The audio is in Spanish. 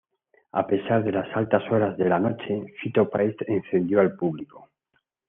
A pesar de las altas horas de la noche, Fito Páez encendió al público.